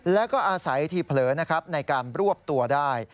และอาศัยที่เผลอในการรวบตัวได้